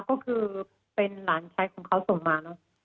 ก็คือเป็นหลานใช้ของเขาส่งมา